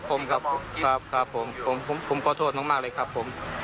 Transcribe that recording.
ครับผมขอโทษมากเลยครับผม